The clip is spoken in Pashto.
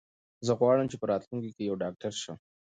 زه غواړم چې په راتلونکي کې یو ډاکټر شم.